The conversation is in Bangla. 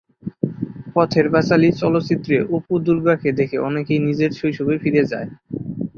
পথের পাঁচালী চলচ্চিত্রে অপু-দুর্গাকে দেখে অনেকেই নিজের শৈশবে ফিরে যায়।